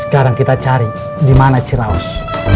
sekarang kita cari di mana ciraus